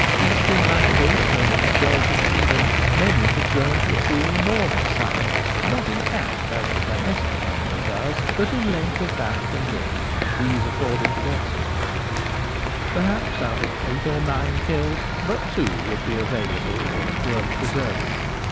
Feasting like this and in English Furs. 2 j the joys of freedom, many had grown to a truly enormous size, not in fat, as the domestic animal does, but in length of back and limb. These afforded the best skins ; perhaps out of eight or nine killed but two would be available or worth preserving.